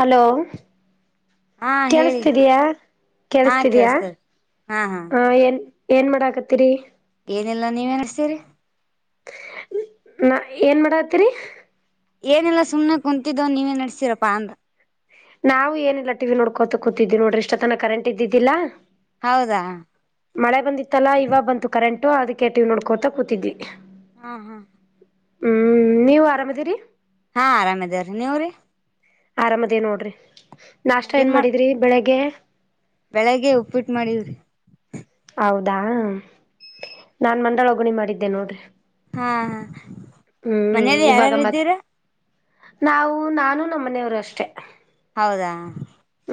Hello? ಹಾ ಹೇಳಿ ಕೇಳಿಸ್ತಿದೀಯಾ ಹಾ ಕೇಳಿಸ್ತಿದೀಯಾ ಕೇಳಸ್ತದ ಹಾ ಏನ್? [inaudible] ಏನ್ ಮಾಡಾಕತ್ತೀರಿ. ಏನ್ ಇಲ್ಲಾ ನೀವೇನ ನಡೆಸಿರಿ. ನಾ ಏನ್ ಮಾಡತ್ತೀರಿ. [inaudible] ಏನೆಲ್ಲ ಸುಮ್ನೆ ಕುಂತಿದ್ದೋ ನೀವೇ ನಡ್ಸಿರಪ್ಪ ಅಂದ. ನಾವು ಏನಿಲ್ಲ ಟಿವಿ ನೋಡ್ ಕೋತ ಕೂತಿದ್ದವಿ ನೋಡ್ರಿ ಇಷ್ಟ ತನ ಕರೆಂಟ್ ಇದ್ದಿದ್ದಿಲ್ಲಾ? ಹೌದಾ ಮಳೆ ಬಂದಿತ್ತಲ್ಲ ಇವ ಬಂತು ಕರೆಂಟು ಅದಕ್ಕೆಟಿವ್ ನೋಡ್ಕೋತಾ ಕೂತಿದ್ವಿ ಹಾ ಹಾ ಹ್ಮ್ ನೀವ ಆರಾಮದಿರಿ ಹಾ ಆರಾಮ್ ಇದೇವ್ರೀ ನೀವ್ರೀ ಆರಾಮದೇ ನೋಡ್ರಿ ನಾಷ್ಟ ಏನ್ ಮಾಡಿದ್ರಿ ಬೆಳಿಗ್ಗೆ ಬೆಳಗ್ಗೆ ಉಪ್ಪಿಟ್ಟು ಮಾಡಿವ್ರಿ ಹೌದಾ ನಾನ್ ಮಂಡಳ ಒಗಣಿ ಮಾಡಿದ್ದೆ ನೋಡ್ರಿ ಹಾ ಹಾ ಹ್ಮ್ ಮನೇಲಿ ಇವಾಗ ಯಾರಾರು ಮತ್ ಇದ್ದೀರ ನಾವು ನಾನು ನಮ್ಮನೆಯವರು ಅಷ್ಟೆ ಹೌದಾ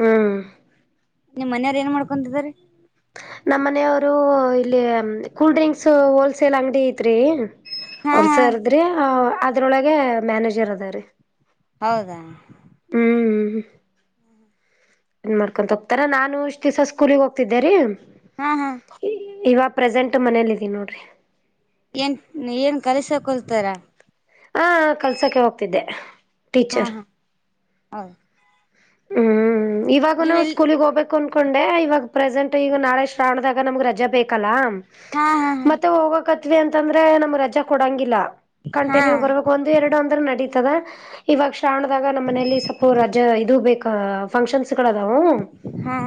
ಹಾ ನಿಮ್ಮನೆಯವರು ಏನ್ ಮಾಡ್ಕೊಡಿದಿದ್ದಾರೆ ನಮ್ಮ ಮನೆಯವರು ಇಲ್ಲಿ ಕೂಲ್ ಡ್ರಿಂಕ್ಸ್ ಹೋಲ್ಸೇಲ್ ಅಂಗಡಿ ಐತ್ರಿ ಹಾ ಅವ್ರ ಹಾ ಸರ್ದ್ರಿ ಅದ್ರೊಳಗೆ ಮ್ಯಾನೇಜರ್ ಅದ್ರೀ ಹೌದಾ ಹ್ಮ್ ಏನ್ ಮಾಡ್ಕೊಂತ ಹೋಗ್ತಾರಾ ನಾನು ಎಷ್ಟ್ ದಿವ್ಸ ಸ್ಕೂಲ್ಗೆ ಹೋಗ್ತಿದ್ದೇರಿ ಹಾ ಹಾ ಪ್ರೆಸೆಂಟ್ ಮನೇಲ್ಲ ಇದೀ ನೋಡ್ರಿ ಏನ್ ಏನ್ ಕಲ್ಸಕೊಲ್ತಾರ ಹಾ ಕಲ್ಸಕ್ಕೆ ಹೋಗ್ತಿದ್ದೆ ಹಾ ಟೀಚರ್ ಹಾ ಹೌ ಹ್ಮ್ ಇವಾಗನ ಸ್ಕೂಲಗ್ ಹೋಗ್ಬೇಕು ಅನ್ ಇಕೊಂಡೆ ಇವಾಗ ಪ್ರೆಸೆಂಟ್ ಈಗ ನಾಳೆ ಶ್ರಾವಣದಾಗ ನಮ್ಗ್ ರಜಾ ಬೇಕಲ್ಲಾ ಹಾ ಹಾ ಮತ್ತೆ ಹೋಗಕತ್ವಿ ಅಂತಂದ್ರೆ ನಮ್ ರಜಾ ಕೊಡಂಗಿಲ್ಲ ಹಾ ಕಂಟಿನ್ಯೂ ಬರ್ಬೇಕ ಒಂದು ಎರಡು ಅಂದ್ರೆ ನಡತದ ಇವ ಶ್ರಾವಣದಾಗ ನಮ್ಮ ಮನಲಿ ಸ್ವಲ್ಪ ರಜಾ ಇದು ಬೇಕ ಫಂಕ್ಷನ್ ಹಾ ಹಾ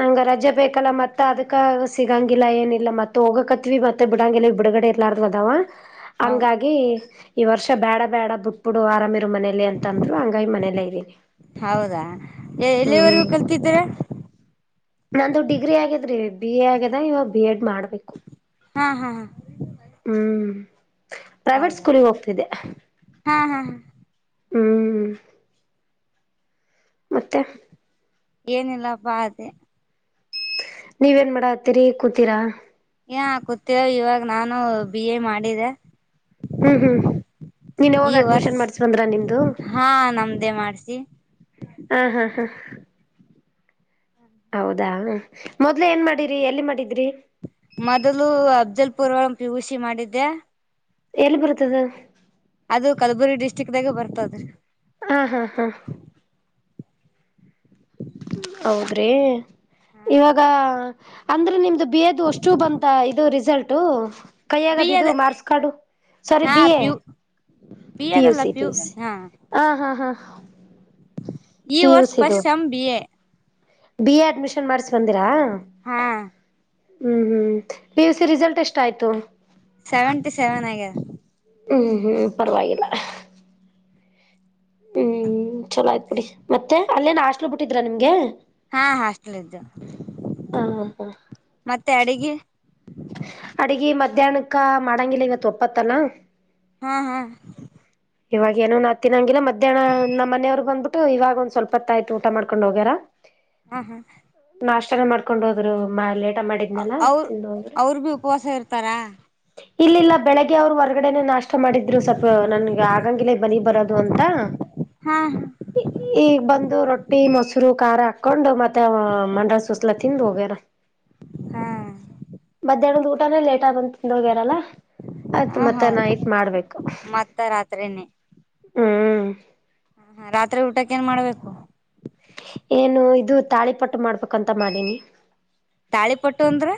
ನಂಗ [inaudible] ರಜೆ ಬೇಕಲ್ಲ ಮತ್ತ ಅದಕ್ಕೆ ಸಿಗಂಗಿಲ್ಲ ಏನಿಲ್ಲ ಮತ್ತ ಹೋಗಕತ್ವಿ ಮತ್ತೆ ಬಿಡಂಗಿಲ್ಲ ಬಿಡುಗಡೆ ಇರ್ಲಾರು ಅದಾವ ಹೌ ಹಂಗಾಗಿ ಈ ವರ್ಷ ಬೇಡ ಬೇಡ ಬುಟ್ಬುಡು ಆರಾಮ ಮನೇಲಿ ಅಂತ ಅಂದ್ರು ಹಂಗಾಗಿ ಮನೇಲ್ಲ ಇದ್ದೀನಿ ಹೌದಾ ಎಲ್ಲಿವರೆಗೂ ಹ್ಮ್ ಕಲ್ತಿದ್ದ್ ನಂದು ಡಿಗ್ರಿ ಆಗದ್ರಿ ಬಿ ಎ ಆಗ್ಯದ ಇವಾಗ ಬಿ ಎಡ್ ಮಾಡ್ಬೇಕು ಹಾ ಹಾ ಹಾ ಹ್ಮ್ ಪ್ರೈವೇಟ್ ಹೌದಾ ಸ್ಕೂಲ್ಗೆ ಹೋಗ್ತಿದ್ದೆ ಹಾ ಹಾ ಹಾ ಹ್ಮ್ ಮತ್ತೆ ಏನಿಲ್ಲ ಬಾ ಅದೆ ನೀವೇನ್ ಮಾಡ ಅತ್ತರಿ ಕೂತೀರಾ ಏ ಕೂತಿರ ಇವಾಗ ನಾನು ಬಿ ಎ ಮಾಡಿದೆ ಹ್ಮ್ ಹ್ಮ್ ನೀನ್ ಯಾವಾಗ ಈ ವರ್ಷ ಅಡ್ಮಿಷನ್ ಮಾಡ್ಸ ಬಂದ್ರ ನಿ್ದ ಹಾ ನಮ್ದೇ ಮಾಡ್ಸಿ ಹಾ ಹಾ ಹಾ ಹೌದಾ ಮೊದ್ಲ ಏನ್ ಮಾಡಿರಿ ಎಲ್ಲಿ ಮಾಡಿದ್ರಿ ಮೊದಲು ಅಬ್ದಲ್ ಪುರ್ವಾಳಂ ಪಿ ುಷಿ ಮಾಡಿದ್ದೆ ಎಲ್ಲಿ ಬರ್ತದ ಅದು ಕಲಬುರಿ ಡಿಸ್ಟ್ರಿಕ್ದಾಗೆ ಬರ್ತದ್ರಿ ಹಾ ಹಾ ಹಾ ಹೌದ್ರಿ ಹಾ ಇವಾಗ ಅಂದ್ರೆ ನಿಮ್ದು ಬದು ಅಷ್ಟು ಬಂತ ಇದು ರಿಸಲ್ಟ ಕೈ ಬಿ ಆಗದ ಇದು ಎದ ಮಾರ್ಕ್ಸ್ ಕಾಡು ಸರಿ ಹಾ B A P U B ಪು ಎದಲ್ಲ ಸಿ ಪಿ ಯು ಯುಸಿ ಹಾ ಹ ಹಾ ಹಾ ಈ ಪಿ ಯು ವರ್ಸ್ ಸ್ ಸಿ ದು ಪಶಚಂ B A B A admission ಮಾಡಸ ಬಂದಿರಾ ಹಾ ಹ್ಮ್ ಹ್ಮ್ ಪಿ ಯು ಸಿ ರಿಸಲ್ಟ್ ಎಷ್ಟ ಆಯ್ತು ಸೆವೆಂಟಿ ಸೆವೆನ್ ಆಗ ಹ್ಮ್ ಹ್ಮ್ ಪರವಾಗಿಲ್ಲ ಹ್ಮ್ ಚಲೋ ಆಯ್ತ್ ಬಿಡಿ ಮತ್ತೆ ಅಲ್ಲೇನ್ ಹಸ್ಟ್ಲ್ ಬಿಟ್ಟಿದ್ರಾ ನಿಮ್ಗೆ ಹಾ ಹಾಸ್ಟಲ್ ಇದ್ದು ಹ ಹ ಮತ್ತೆ ಅಡಿಗೆ ಅಡಗಿ ಮಧ್ಯಾಹ್ನಕ್ಕ ಮಾಡಂಗಿಲ್ಲ ಇವತ್ ಒಪ್ಪತ್ತಲ ಹಾ ಹಾ ಇವಾಗ ಏನೋ ನಾ ತಿನಂಗಿಲ್ಲ ಮಧ್ಯಾಹ್ ನಮ್ಮ ಮನೆಯವರು ಬ್ ಇವಾಗ ಒಂದ್ ಸ್ವಲ್ಪತ್ತ ಆ್ತು ಊಟ ಮಾಡ್ಕೊಂಡ್ ಹೋಗ್ಯಾರ ಹಾ ಹಾ ನಾಷ್ಟಾನ ಮಾಡ್ಡ ಹೋದ್ರು ಮೇಲೆ ಮಾಡಿದ್ನ ಅವ್ರ ತಿಂದು ಹದ್ರ ಅವ್ರ ಭಿ ಉಪವಾಸ ಇರ್ತಾರಾ ಇಲ್ಲಿಲ್ಲ ಬೆಳಗ್ಗೆ ಅವರು ಕಡೆ ನಾಷ್ಟ ಮಾಡಿದ್ರು ಸ್ವಲ್ಪ ನನ್ಗೆ ಬಿ ಬರದು ಅಂತ ಹಾ ಈ ಬಂದು ರೊಟ್ಟಿ ಮ ಶುರು ಖಾರ್ ಹಾಕೊಂಡು ಮತ್ತೆ ಮಂಡಳ ಸುಸ್ಲ ತಿಂದು ಹೋಗ್ಯಾರ ಹಾ ಮಧ್ಯಾಹ್ನದ್ ಊಟಾನೇ ಲೇಟ್ ಆಬ ತಿಿಂದ ಹೋಗ್ಯಾರಲ್ಲ ಆಯ್ತ್ ಹ ಮತ್ತ ನಾಯತ್ ಮಾಡ್ಬೇಕು ಅತ್ರನ್ನ ಹ್ಮ್ ಹ ಹಾ ರಾತ್ರಿ ಊಟಕ್ಕ ಏನ್ ಮಾಡ್ಬೇಕು ಏನು ಇದು ತಾಳಿಪಟ್ಟು ಮಾಡ್ಬೇಕಂತ ಮಾಡೀನಿ ತಾಳಿ ಪಟ್ಟು ಅಂದ್ರ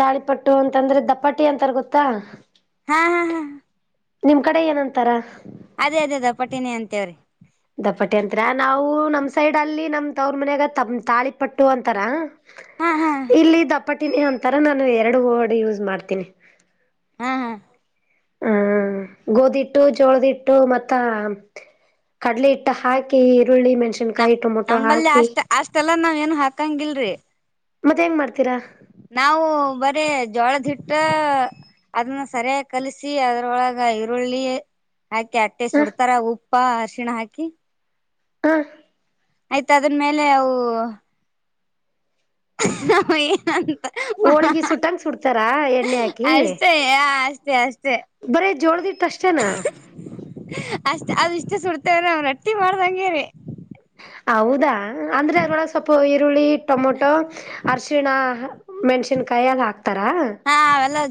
ತಾಳಿಪಟ್ಟು ಅಂತಂದ್ರೆ ದಪಾಟಿ ಅಂತಾರ ಗೊತ್ತಾ ಹಾ ಹಾ ಹಾ ನಿಮ್ ಕಡೆ ಏನಂತಾರ ಅದೇ ಅದೇ ಅದ ಪಟಿನಿ ಅಂತೇವ್ರಿ ದಪಟ್ಟಿ ಅಂತ್ರ ನಾವು ನಮ್ ಸೈಡ್ ಅಲ್ಲಿ ನಮ್ದ ಅವ್ರ ಮನ್ಯಾಗ ತಮ ತಾಳಿ ಪಟ್ಟು ಅಂತಾರ ಹಾ ಹಾ ಇಲ್ಲಿ ದಪಟಿನಿ ಅಂತಾರ ನಾನು ಎರಡು ಡ್ ಯೂಸ್ ಮಾಡ್ತೀನಿ ಹ್ಮ್ ಹ್ಮ ಹಾ ಗೋಧಿಟ್ಟು ಜೋಳದಿಟ್ಟು ಮತ್ತ ಕಡಲೆ ಹಿಟ್ಟು ಹಾಕಿ ಬೆರುಳ್ಳಿ ಮೆಣ್ಸಿನ್ಕಾಯಿ ಟೊಮೊಟೊ ಹಾಕಿ ಎಲ್ಲಾ ನಾವ್ ಏನ್ ಹಾಕಂಗಿಲ್ರಿ ಮತ್ತೆ ಹೆಂಗ್ ಮಾಡ್ತೀರಾ ನಾವು ಬರೀ ಜೋಳದಿಟ್ಟ ಅದನ್ನ ಸರಿಯಾಗಿ ಕಲಸಿ ಅದ್ರೊಳಗ ಈರುಳ್ಳಿ ಹಾಕಿ ಅಟ್ಟೆ ಹ ಸುಡ್ತಾರ ಉಪ್ಪ ಅರ್ಶಿಣ ಹಾಕಿ ಹಾ ಆಯ್ತ ಅದ್ರ ಮೇಲೆ ಅವು ಹ ಏ ಹೋಳಿಗೆ ಸುಟ್ಟಂಗ ಸುಡ್ತಾರಾ ಎಣ್ಣೆ ಹಾಕಿ ಅಷ್ಟತ ಯಷ್ಟ ಬರೇ ಜೋಳದಿಟ್ಟ ಅಷ್ಟೇನಾ ಅಷ್ಟ್ ಅದು ಇಷ್ಟ ಸುಡ್ತೇವ ನ್ ರಟ್ಟಿ ಮಾಡ್ದಂಗಗೆರಿ ಹೌದಾ ಅಂದ್ರೆ ಅದ್ರೊಳ ಸ್ವಲ್ಪ ಈರುಳ್ಳಿ ಟೊಮೊಟೊ ಅರಶಿಣ ಮೆಣ್ಸಿನ್ಕಾಯಿ ಅಲ್ಲಿ ಹಾಕ್ತಾರೆ ಹಾ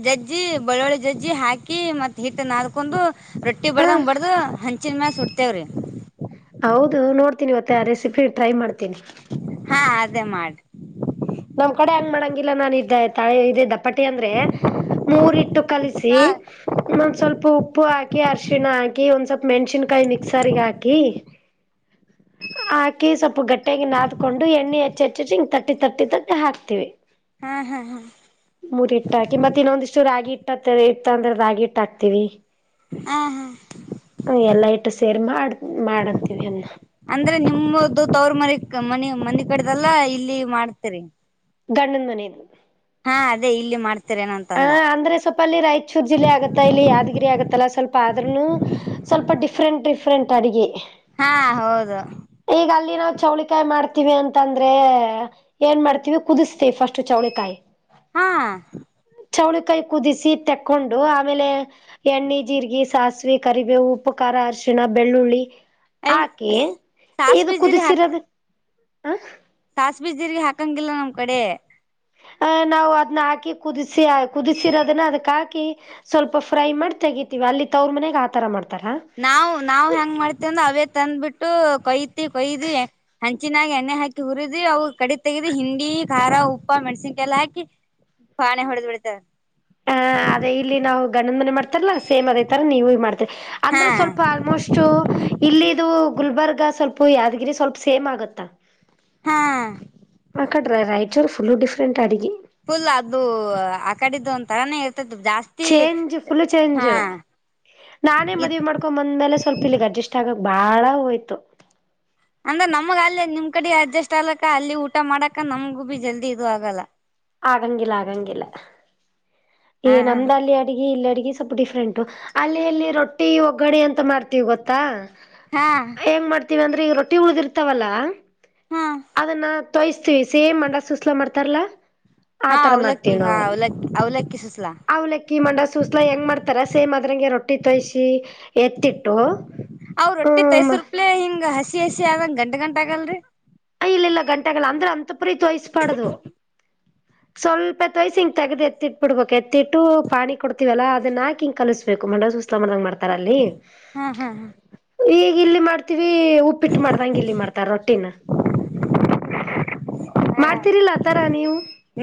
ಜಜ್ಜಿ ಬೆಳ್ಳುಳ್ಳಿ ಜಜ್ಜಿ ಹಾಕಿ ಮತ್ತ್ ಹಿಟ್ಟನಾದ್ಕೊಂಡು ರೊಟ್ಟಿ ಹ ಬರ್ದಂಗ ಬಡ್ದ ಹಂಚ ಎನ್ಚಿನ್ ಮೆಲ್ ಸುಡ್ತೇವ್ರೀ. ಹೌದು ನೋಡ್ತೀನಿ ಇವತ ರೆಸಿಪಿ ಟ್ರೈ ಮಾಡ್ತೀನಿ. ಹಾ ಅದೇ ಮಾಡ್ ನಮ್ ಕಡೆ ಹಂಗ್ ಮಾಡಂಗಿಲ್ಲಾ ನಾನು ಇದ್ದೆ ತಾಳೆ ಇದೇ ದಪ್ಪ ಪಟ್ಟಿ ಅಂದ್ರೆ ಮೂರಿಟ್ಟು ಕಲಿಸಿ ಹಾ ಒಂದ ಸ್ವಲ್ಪ ಉಪ್ಪು ಹಾ ಹಾಕಿ ಅರ್ಶಿಣ ಹಾಕಿ ಒಂದ್ ಸ್ವಲ್ಪ ಮೆಣ್ಸಿನ್ಕಾಯಿ ಮಿಕ್ಸರ್ಗ ಹಾಕಿ. ಹಾಕಿ ಸ್ವಲ್ಪ ಗಟ್ಟಾಗಿ ನಾದ್ಕೊಂಡು ಎಣ್ಣೆ ಹೆಚ್ಚ ಹೆಚ್ಚಚ್ಚ ಹಿಂಗ ತಟ್ಟಿ ತಟ್ಟಿ ತಟ್ಟಿ ಹಾಕ್ತಿವಿ ಹಾ ಹಾ ಮುರಿಟ್ಟ ಆಕಿ ಮತ್ ಇನ್ನೊಂದಿಷ್ಟು ರಾಗಿ. ಇಟ್ಟತ್ತ ಇತ್ ಅಂದ್ರೆ ರಾಗಿ ಇಟ್ ಹಕ್ತಿವಿ. ಹಾ ಹಾ ಹ ಎಲ್ಲಾ ಇಟ್ಟು ಸೇರ್ ಮಾಡ್ ಮಾಡತೀವಿ ಅದ್ನ. ಅಂದ್ರೆ ನಿಮುದು ತವ್ರ ಮರಿಕ್ ಮನಿ ಮನಿ ಕಡ್ದಲ್ಲ ಇಲ್ಲಿ ಮಾಡ್ತರಿ. ಗಂಡನ್ ಮುನಿದು. ಹಾ ಅದೇ ಇಲ್ಲಿ ಮಾಡ್ ಹ ಅಂದ್ರೆ ಸ್ವಲ್ಪ ಅಲ್ಲಿ ರಾಯಚೂರ್ ಜಿಲ್ಲೆ ಆಗತ್ತಾ ಇಲ್ಲಿ ಯದ್ ಗಿ ಗಿರಿ ಆಗುತ್ತಲ್ಲ ಸ್ವಲ್ಪ ಆದ್ರನು ಸ್ವಲ್ಪ ಡಿಫ್ರಂಟ್ ಡಿಫ್ರರೆಂಟ್ ಅಡ್ಗೆ. ಹಾ ಹೌದು ಚೌಳಿಕಾಯ್ ಮಾಡ್ತೀವಿ ಅಂತಂದ್ರೆ ಏನ್ ಮಾಡ್ತೀವಿ ಕುದಿಸ್ತೀವಿ ಫಸ್ಟ್ ಚೌಳಿಕಾಯ್. ಹಾ ಚೌಳಿಕಾಯಿ ಕುದಿಸಿ ತೆಕ್ಕೊಂಡು ಆಮೇಲೆ ಎಣ್ಣೆ ಜೀರ್ಗಿ ಸಾಸ್ವಿ ಕರಿಬೇವು ಉಪ್ಪು ಕ ರ ಅರ್ಶಿಣ ಬೆಳ್ಳುಳ್ಳಿ ಐ ಹಾಕಿ ಸಾಸ್ ಇದು ಕುದಿಸಿರದು. ಹ ಸಾಸ್ವಿ ಜೀರ್ಗಿ ಹಾಕಂಗಿಲ್ಲ ನಮ್ ಕಡೆ. ಆ ನಾವು ಅದನ್ನ ಹಾಕಿ ಕುದಿಸಿ ಕುದಿಸಿರೋದನ್ನ ಅದಕ್ ಹಾ ಕಿ ಸ್ವಲ್ಪ ಫ್ರೈ ಮಾಡಿ ತೆಗತಿವಿ ಅಲ್ಲಿ ತವ್ರ ಮನೆಯಾಗ ಆತರ ಮಾಡ್ ನಾವ್ ನಾವ್ ಹೆಂಗ್ ಮಾಡ್ತೇವಿ ಅಂದ್ರ ಅವೇ ತಂದ್ಬಿಟ್ಟು. ಕೊಯ್ತಿು ಕೊಯ್ದು ಹಂಚಿನಾಗ ಎಣ್ಣೆ ಹಾಕಿ ಹುರಿದು ಅ ಕಡ ತೆಗ್ದಿ ಹಿಂಡಿ ಖಾರ ಉಪ್ಪ. ಮಣ್ಸಿನ್ಕಲ್ಲ ಹಾಕಿ ಪಾಣೆ ಹೊಡೆದ್ ಬಿಡ್ತಾವ. ಹಾ ಅದೇ ಇಲ್ಲಿ ನಾವು ಗಂಡನ್ ಮನಿ ಮಾಡ್ ಮಾಡ್ತರಲ್ಲ ಸೇಮ್ ಅದೇ ತರ ನೀವು ಮಾಡ್ತರಿ ಹಾ ಅಂದ್ರೆ ಸ್ವಲ್ಪ ಆಲ್ಮೋಸ್ಟ್ ಇಲ್ಲಿದು. ಗುಲ್ಬರ್ಗ ಸ್ವಲ್ಪ ಯಾದ್ಗಿರಿ ಸ್ವಲ್ಪ ಸೇಮ್ ಆಗತ್ತಾ. ಹಾ ಆ ಕಡೆ ರಾಯ್ಚುರ್ ಪುಲ್ಲ ಡಿಫ್ರೆಂಟ್ ಅಡ್ಗಿ. ಫುಲ್ ಅದು ಆ ಕಡಿದ್ದುತಾನೆ. ಜಾಸ್ತಿ ಚೇಂಜ್ ಫುಲ್ ಚೇಂಜ್ ಹಾ ನಾನೇ ಇ ಮದ್ವಿ ಮಾಡ್ಕೊಂಡ್ ಬಂದ್ಮೇಲೆ ಸ್ವಲ್ಪ ಇಲ್ಲಿಗ್ ಅಡ್ಜಸ್ಟ್ ಆಗಕ್ ಬಾಳ ಹೋಯ್ತು. ಅಂದ್ರೆ ನಮ್ಗ ಅಲ್ಲಿ ನಿಮ್ ಕಡೆ ಅಡ್ಜಸ್ಟ್ ಆಗ್ಲಕ್ಕ ಅಲ್ಲಿ ಊಟ ಮಾಡಕ ನಮ್ಗು ಬಿ ಜಲ್ದಿ ಇದು ಆಗಲ್ಲ. ಆಗಂಗಿಲ್ಲ ಆಗಂಗಿಲ್ಲ ಈ ಹಾ ಹಾ ನಮ್ದಲ್ಲಿ ಅಡ್ಗಿ ಇ- ಅಡ್ಗಿ ಸ್ವಲ್ಪ ಡಿಫ್ರೆಂಟು ಅಲ್ಲಿ ಅಲ್ಲಿ ರೊಟ್ಟಿ ಒಗ್ಗಡೆ ಅಂತ ಮಾಡ್ತೀವಿ ಗೊತ್ತಾ. ಹಾ ಹೆಂಗ್ ಮಾಡ್ತೀವಿ ಅಂದ್ರೆ ಈಗ ರೊಟ್ಟಿ ಉಳಿದಿರ್ತಾವಲ್ಲ ಅದನ್ನ. ತೋಯ್ಸ್ತೀವಿ ಸೇಮ್ ಅಂಡ ಸುಸ್ಲ ಮಾಡ್ತಾರಲ್ಲಾ ಹಾ ಆತರ ಅವಲಕ್ಕಿ ಮಾಡ್ತೀವಿ ಹಾ ನಾವಲ್ಲಿ. ಅವಲಕ್ಕಿ ಅವಲಕ್ಕಿ ಸುಸ್ಲಾ ಅವ್ಲಕ್ಕಿ ಮಂಡ ಸೂಸ್ಲಾ ಹೆಂಗ ಮಾಡ್ತಾರ ಸೇಮ್ ಅದ್ರಂಗೆ ರೊಟ್ಟಿ ತೂಯ್ಸಿ ಎತ್ತಿಟ್ಟು. ಅವ್ ರೊಟ್ಟಿ ಹ್ಮ ತೈಸರುಪ್ಲೆ ಹಿಂಗ್ ಹಸಿ ಹಸಿ ಆದಂಗ ಗಂಟ ಗಂಟ ಆಗಲ್ ರಿ. ಇಲ್ಲ ಇಲ್ಲ ಗಂಟ್ಅಗಲ್ಲ ಅಂದ್ರೆ ಅಂತಪರಿ ತೂಯ್ಸ್ಬಾಡ್ದು. ಸ್ವಲ್ಪತ್ ತೋಯ್ಸಿ ಹಿಂಗ್ ತಗ್ದ್ ಎತ್ತಿಟ್ಬ ಬಿಡ್ಬೇಕು ಎತ್ತಿಟ್ಟು ಪಾಣಿ ಕೊಡ್ತಿವಲ್ಲ ಅದನ್ನ ಹಾಕಿ ಕಲುಸ್ಬೇಕು ಮ ದೂಸ್ತ [unintelligible] ಹಾ ಹಾ ಹಾ ಇಗ್ ಇಲ್ಲಿ ಮಾಡ್ತಿವ್ ಉಪ್ಪಿಟ್ಟು ಮಾಡ್ತಂಗ್ ಇಲ್ಲಿ ಮಾಡ್ತಾರ ರೊಟ್ಟಿನ. ಹಾ ಮಾಡ್ತಿರಿಲ್ಲ ಆತರ ನೀವು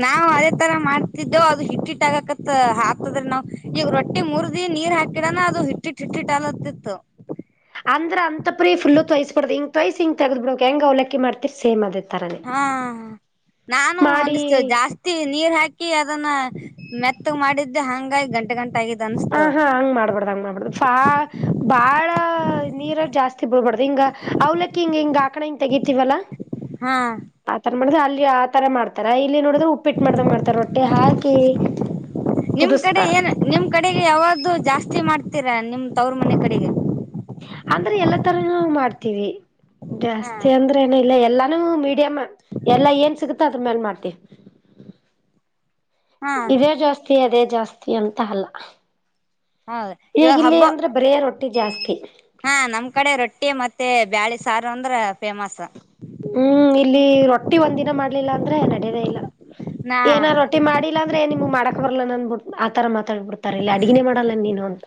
ನಾವು ಅದೇ ತರ ಮಾಡ್ ತಿದ್ದೇವು ಅದು ಹಿಟ್ಟಿಟ್ಟಾಗಕತ್ ಆಗತದರಿ ನಾವು ಈಗ ರೊಟ್ಟಿ ಮುರ್ದಿ ನೀರ್ ಹಾಕಿಡಣ ಅದು ಹಿಟ್ಟಿಟ್ಟಟ್ಟ ಆಗ್ಲತಿತ್ತು. ಅಂದ್ರ ಅಂತಾ ಪರಿ ಫುಲ್ ತೋಯಿಸಬಾರದು ಹಿಂಗ ತಯ್ಸ್ ಹಿಂಗ ತೆಗೆದ ಬಿಡ್ಬೇಕ ಹೆಂಗ ಅವಲಕ್ಕಿ ಮಾಡ್ತಿರ್ ಸೇಮ್ ಅದೇ. ತರಾನೇ ಹಾ ನಾನು ಮಾಡಿ ಒಂದಷ್ಟ ಜಾಸ್ತಿ ನೀರ್ ಹಾಕಿ ಅದನ್ನ ಮೆತ್ತಗ್ ಮಾಡಿದ್ದೆ ಹಂಗಾಗಿ ಗಂಟ ಗಂಟ ಆಗಿತ್ತ. ಹ ಹಾ ಹಂಗ್ ಮಾಡ್ಬಾರ್ಡ್ ಹಂಗ್ ಮಾಡ್ಬಾರ್ಡ್ ಬಾಳ ನೀರ ಜಾಸ್ತಿ ಬಿಡ್ಬಾರ್ದ್ ಹಿಂಗ ಅವ್ಲಕ್ಕಿ ಹಿಂಗ ಹಾಕನ ಹಿಂಗ ತೆಗತಿವಲ್ಲಾ. ಹಾ ಆತರ ಮಾಡಿದ್ರೆ ಅಲ್ಲಿ ಆತರ ಮಾಡ್ತಾರ ಇಲ್ಲಿ ನೋಡಿದ್ರೆ ಉಪ್ಪಿಟ್ಟು ಮಾಡ್ದಂಗ ಮಾಡ್ತಾರ ರೊಟ್ಟಿ ಹಾಕಿ ಹಾಕಿ ನಿಮ್ ಕಡೆ ಏನ್ ನಿಮ್ ಕಡೆಗೆ ಯಾವ್ದೂ ಜಾಸ್ತಿ ಮಾಡ್ತೀರಾ ನಿಮ್ ತವ್ರ ಮನೆ ಕಡೆಗೆ ಅಂದ್ರ ಎಲ್ಲಾ ತರಾನು ಮಾಡ್ತೀವಿ ಹಾ ಜಾಸ್ತಿ ಅಂದ್ರ ಇಲ್ಲ ಎಲ್ಲಾನು ಮೀಡಿಯಂ ಎಲ್ಲಾ ಏನ್ ಸಿಗುತ್ತ ಅದ್ರ ಮ್ಯಾಲ್ ಮಾಡ್ತಿವಿ. ಹಾ ಇದೇ ಜಾಸ್ತಿ ಅದೇ ಜಾಸ್ತಿ ಅಂತ ಅಲ್ಲ. ಹೌದ ಈಗ ಇವಾಗ ಇಲ್ಲಿ ಹಬ್ಬ ಅಂದ್ರೆ ಬರೇ ರೊಟ್ಟಿ ಜಾಸ್ತಿ. ಹಾ ನಮ್ ಕಡೆ ರೊಟ್ಟಿ ಮತ್ತೆ ಬ್ಯಾಳಿ ಸಾರು ಅಂದ್ರ ಫೇಮಸ್. ಹ್ಮ್ ಇಲ್ಲಿ ರೊಟ್ಟಿ ಒಂದಿನ ಮಾಡ್ಲಿಲಿಲ್ಲ ಅಂದ್ರೆ ನಡೆಯದೇ ಇಲ್ಲ. ನಾ ಏನ ರೊಟ್ಟಿ ಮಾಡಿಲ್ಲ ಅಂದ್ರೆ ನಿಮಗ್ಗೆ ಮಾಡಕ ಬರಲ್ಲನ ಅಂದನ್ಬಿಟ್ಟ ಆತರ ಮಾಡ್ ಮಾತಾಡಿ ಬಿಡ್ತಾರ ಇಲ್ಲ ಅಡಗಿನೇ ಮಾಡಲ್ಲ ನೀನು ಅಂತ.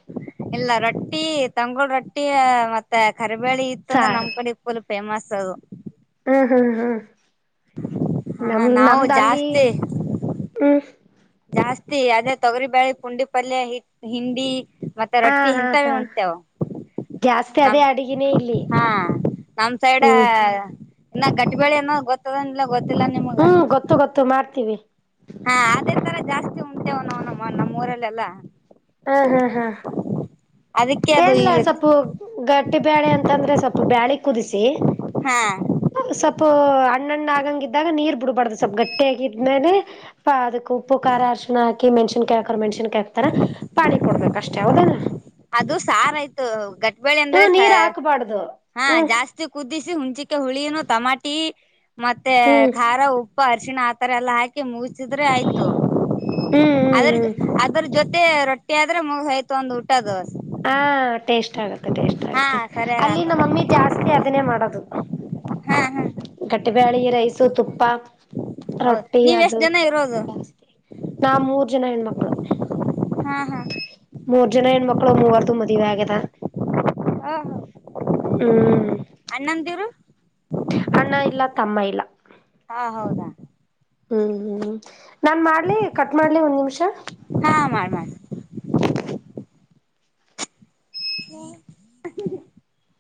ಇಲ್ಲ ರೊಟ್ಟಿ ತಂಗೋಳ್ ರೊಟ್ಟಿ ಮತ್ತೆ ಕಾರ್ಬ್ಯಲಿ ಇತ್ತ ಅಂದ್ರೆ ನಮ್ ಸಾರು ಕಡೆಫುಲ್ ಫೇಮಸ್ ಅದು. ಹ್ಮ್ ಹ್ಮ್ ಹ್ಮ್ ಹ ನಮ ನಾವು ನಮ್ದ ಅಲ್ಲಿ ಜಾಸ್ತಿ ಹ್ಮ್. ಜಾಸ್ತಿ ಅದೇ ತೊಗರಿಬ್ಯಾಳೆ ಪುಂಡಿ ಪಲ್ಲೆ ಹಿ ಹಿಂಡಿ ಮತ್ತೆ ಹಾ ರೊಟ್ಟಿ ಹಾ ಹಿಂತಾವೇ ಹಾ ಉಂತೇವ. ಜಾಸ್ತಿ ನ ಅದೇ ಅಡಗಿನೇ ಇಲ್ಲಿ ಹಾ ನಮ್ ಸೈಡ್ ಹ್ಮ್ ಇನ್ನ ಗಟ್ಬಳೆ ಏನೋ ಗೊತ್ತದ ಇಲ್ಲ ಗೊತ್ತಿಲ್ಲ ನಿಮಗ - ಹ್ಮ್ ಗೊತ್ತು ಗೊತ್ತು ಮಾಡ್ತೀವಿ ಹಾ ಅದ ಇತ್ತ ಅಂದ್ರ ಜಾಸ್ತಿ ಉಂತೇವ ನಾವ್ ನಮ್ಮ ನಮ್ಮ್ ಊರಲ್ಲೆಲ್ಲಾ - ಹ್ಮ ಹ್ಮ್ ಹ್ಮ್ ಅದಕ್ಕೆ ಅದು ಈ ಕೇಳ್ರಿಲಾ ಸ್ವಲ್ಪ ಗಟ್ಟಿ ಬೇಳೆ ಅಂತಂದ್ರೆ ಸ್ವಲ್ಪ ಬ್ಯಾಳೆ ಕುದಿಸಿ ಹಾ ಸ್ವಲ್ಪ ಹಣ್ಣಣ್ಣ ಆಗಂಗಿದ್ದಾಗ ನೀರ್ ಬಿಡ್ಬಾರ್ದ ಸ್ವಲ್ಪ್ ಗಟ್ಟಿ ಆಗಿದ ಮೇಲೆ ಅದಕ್ ಉಪ್ಪು ಖಾರ ಅರಿಶಿನ ಹಾಕಿ ಮೆಣಸಿನಕಾಯಿ ಹಾಕ್ರವ ಮೆಣಸಿನಕಾಯಿ ಹಾಕಿರ್ತಾರ್ ಪಾಣಿ ಕೊಡ್ಬೇಕ ಅಷ್ಟೇ ಹೌದಲ್ಲ. ಅದು ಸಾರ ಆಯ್ತು ಗಟ್ಬಳೆ ಹ್ಮ ಅಂದ್ರೆ ಸ ನೀರ್ ಹಾಕ್ಬಾರ್ದು ಹಾ ಹ್ಮ್ ಜಾಸ್ತಿ ಕುದಿಸಿ ಹುಂಚಿಕೆ ಹುಳಿನು ಟಮಾಟಿ ಮತ್ತೆ ಹ್ಮ್ ಖಾರಾ ಉಪ್ಪು ಅರ್ಶಿಣ ಆತರ ಎಲ್ಲಾ ಹಾಕಿ ಮುಗಸಿದ್ರೆ ಆಯ್ತು. ಹ್ಮ್ ಹ್ಮ್ ಅದ್ರ ಹ್ಮ್ ಅದ್ರ ಜೊತೆ ರೊಟ್ಟಿ ಆದ್ರೆ ಮುಗದ ಹೋಯ್ತು ಒಂದು ಊಟದು ಹಾ ಟೇಸ್ಟ್ ಆಗುತ್ತೆ. ಟೇಸ್ಟ್ ಹಾ ಆಗತ್ತ ಸರಿಯಾಗ ಅಲ್ಲಿ ಆತ ನಮ್ ಮಮ್ಮಿ ಜಾಸ್ತಿ ಅದನ್ನೇ ಮಾಡೋದು. ಹಾ ಹಾ ಬ್ಯಾಳಿ ರೈಸು ತುಪ್ಪ ಹೌದು ರೊಟ್ಟಿ ನೀವ್ ಅದು ಎಷ್ಟ್ ಜನ ಇರೋದು ಜಾಸ್ತಿ ನಾವ ಮೂರ್ ಜನ ಹೆಣ್ಮಕ್ಳು. ಹಾ ಹಾ ಮೂರ್ ಜನ ಹೆಣಮಕ್ಳು ಮೂವರ್ದು ಮದುವೆ ಆಗ್ಯದ. ಹಾ ಹಾ ಹ್ಮ್ ಅಣ್ಣಂದಿರು- ಅಣ್ಣ ಇಲ್ಲ ತಮ್ಮ ಇಲ್ಲ. ಹಾ ಹೌದಾ. ಹ್ಮ್ ಹ್ಮ್ ನಾನ್ ಮಾಡ್ಲಿ ಕಟ್ ಮಾಡ್ಲಿ ಒಂದ್ ನಿಮಿಷ- ಹಾ ಮಾಡ್ ಮಾಡ್ [inaudible]